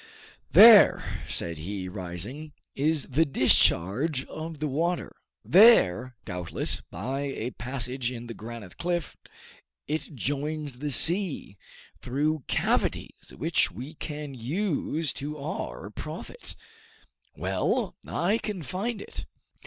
"There," said he, rising, "is the discharge of the water; there, doubtless, by a passage in the granite cliff, it joins the sea, through cavities which we can use to our profit. Well, I can find it!"